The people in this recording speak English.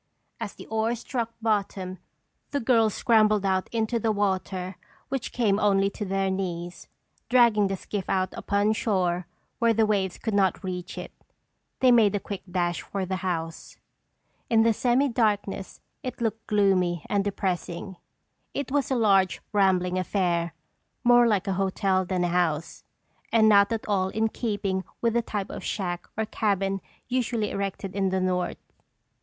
As the oars struck bottom, the girls scrambled out into the water which came only to their knees, dragging the skiff out upon shore where the waves could not reach it. They made a quick dash for the house. In the semi darkness it looked gloomy and depressing. It was a large, rambling affair, more like a hotel than a house, and not at all in keeping with the type of shack or cabin usually erected in the North.